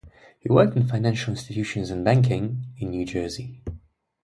He worked in financial institutions and banking in New Jersey.